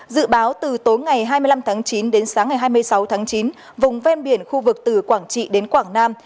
dự báo từ tối ngày hai mươi năm tháng chín đến sáng ngày hai mươi sáu tháng chín vùng ven biển khu vực từ quảng trị đến quảng nam